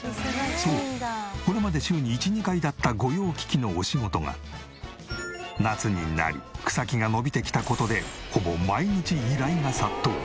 そうこれまで週に１２回だった御用聞きのお仕事が夏になり草木が伸びてきた事でほぼ毎日依頼が殺到。